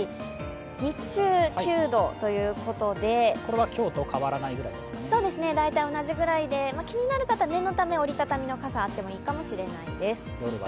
日中９度ということで今日と大体同じぐらいで気になる方は念のため折り畳みの傘があってもいいかもしれないですね。